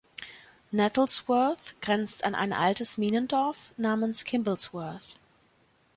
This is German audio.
Nettlesworth grenzt an ein altes Minendorf namens Kimblesworth.